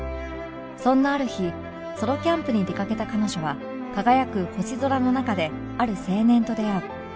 そんなある日ソロキャンプに出掛けた彼女は輝く星空の中である青年と出会う